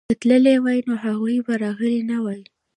که تللي وای نو هغوی به راغلي نه وای.